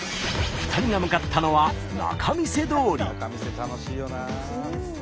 ２人が向かったのは仲見世楽しいよな。